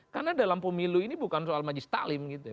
karena dalam pemilu ini bukan soal maji stalin gitu ya